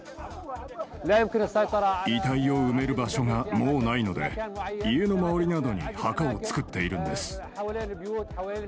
遺体を埋める場所がもうないので、家の周りなどに墓を作っているんです。